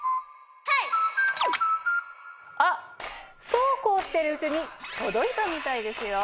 あっそうこうしてるうちに届いたみたいですよ。